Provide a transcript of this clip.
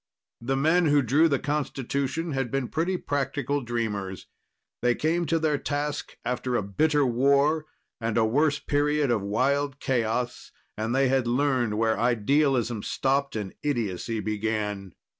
The men who drew the Constitution had been pretty practical dreamers. They came to their task after a bitter war and a worse period of wild chaos, and they had learned where idealism stopped and idiocy began.